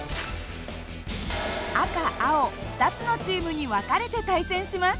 赤青２つのチームに分かれて対戦します。